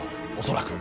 恐らく。